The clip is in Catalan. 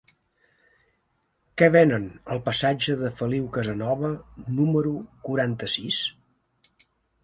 Què venen al passatge de Feliu Casanova número quaranta-sis?